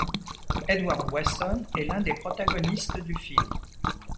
Edward Weston est l'un des protagonistes du film.